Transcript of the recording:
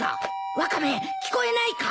ワカメ聞こえないか？